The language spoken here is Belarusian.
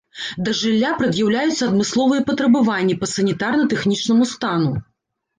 Да жылля прад'яўляюцца адмысловыя патрабаванні па санітарна-тэхнічнаму стану.